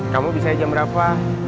kamu bisa jam berapa